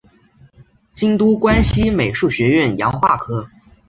京都关西美术学院洋画科